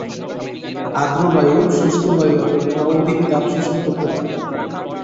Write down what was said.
আর্দ্র বায়ু, শুষ্ক বায়ু অপেক্ষা অধিক তাপ শোষণ করতে পারে।